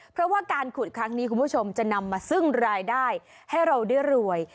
เพราะว่าการขุดครั้งนี้คุณผู้ชมจะนำมาซึ่งรายได้ให้เราได้รวย